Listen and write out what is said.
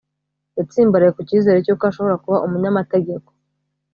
Yatsimbaraye ku cyizere cyuko ashobora kuba umunyamategeko